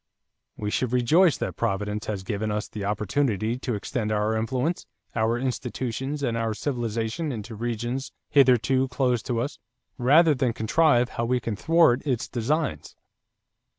We should rejoice that Providence has given us the opportunity to extend our influence, our institutions, and our civilization into regions hitherto closed to us, rather than contrive how we can thwart its designs."